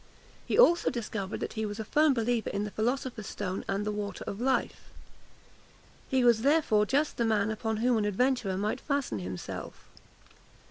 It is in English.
He also discovered that he was a firm believer in the philosopher's stone and the water of life. He was therefore just the man upon whom an adventurer might fasten himself.